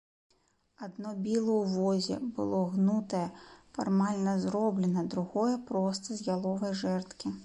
Адно біла ў возе было гнутае, фармальна зробленае, другое простае, з яловай жэрдкі.